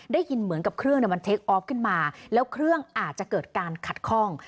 ได้ยินเหมือนกับเครื่องมันเทคออฟขึ้นมาแล้วเครื่องอาจจะเกิดการขัดข้อง